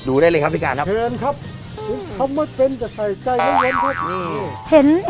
ดูได้เลยครับพี่การนะครับเชิญครับเขาไม่เป็นจะใส่ใจไม่เงินครับ